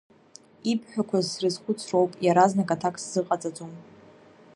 Ибҳәақәаз срызхәыцроуп, иаразнак аҭак сзыҟаҵаӡом.